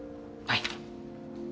はい。